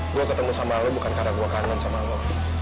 gue ketemu sama lo bukan karena gue kangen sama lo